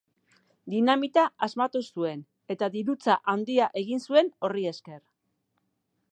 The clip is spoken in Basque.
Dinamita asmatu zuen, eta dirutza handia egin zuen horri esker.